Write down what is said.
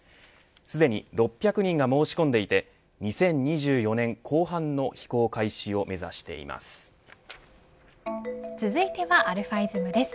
すでに６００人が申し込んでいて２０２４年後半の飛行開始を目指しています。